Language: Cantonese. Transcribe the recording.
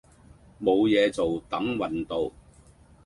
冇嘢做等運到